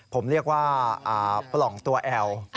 ผมเรียกว่าปล่องตัวแอล